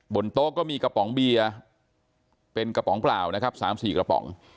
โต๊ะก็มีกระป๋องเบียร์เป็นกระป๋องเปล่านะครับ๓๔กระป๋อง